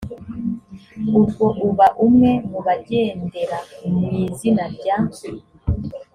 ubwo uba umwe mu bagendera mu izina rya